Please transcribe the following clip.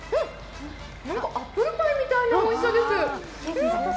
なんかアップルパイみたいなおいしさです。